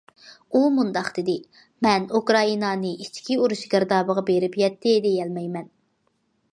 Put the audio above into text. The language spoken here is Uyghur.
ئۇ مۇنداق دېدى: مەن ئۇكرائىنانى ئىچكى ئۇرۇش گىردابىغا بېرىپ يەتتى دېيەلمەيمەن.